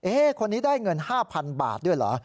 คนนี้ได้เงิน๕๐๐๐บาทด้วยเหรอ